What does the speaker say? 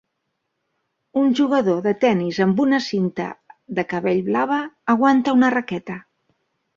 un jugador de tenis amb una cinta de cabell blava aguanta una raqueta